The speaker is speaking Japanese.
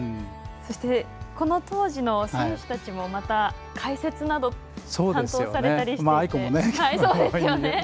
そしてこの当時の選手たちも解説などを担当されたりして。